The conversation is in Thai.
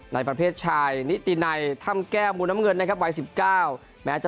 ในประเภทชายนิตินัยท่ามแก้วหมุนน้ำงึนนะครับไว้สิบเก้า